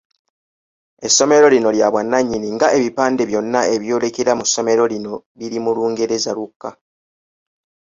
Essomero lino lya bwannanyini nga ebipande byonna ebyeyolekera mu ssomero lino biri mu Lungereza lwokka.